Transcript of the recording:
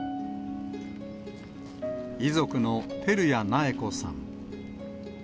遺族の照屋苗子さん。